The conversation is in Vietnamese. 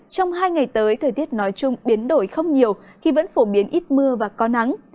trong hai ngày tới thời tiết nói chung biến đổi không nhiều khi vẫn phổ biến ít mưa và có nắng